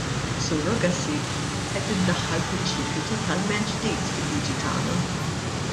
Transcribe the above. B'surrogacy qed iddaħħal prinċipju totalment ġdid fil-liġi tagħna.